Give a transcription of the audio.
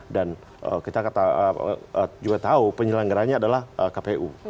dan kita juga tahu penyelenggarannya adalah kpu